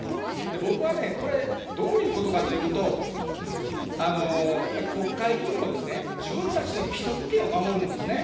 僕はね、これ、どういうことかというと、やっぱり国会議員も、自分たちの既得権を守るんですね。